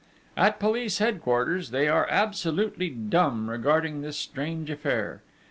At police headquarters they are absolutely dumb regarding this strange affair.